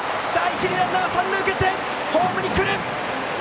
一塁ランナーはホームへ来る！